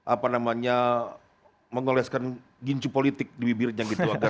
apa namanya mengoleskan gincu politik di bibirnya gitu agar